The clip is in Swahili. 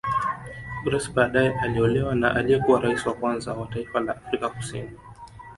Grace badae aliolewa na aliyekuwa raisi wa kwanza wa taifa la Afrika Kusini